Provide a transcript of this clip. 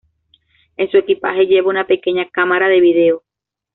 En su equipaje lleva una pequeña cámara de vídeo.